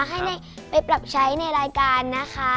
ให้ได้ไปปรับใช้ในรายการนะคะ